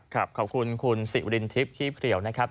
ครับขอบคุณคุณศรีวดินทริปที่เปรียวนะครับ